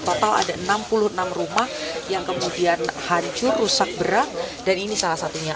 total ada enam puluh enam rumah yang kemudian hancur rusak berat dan ini salah satunya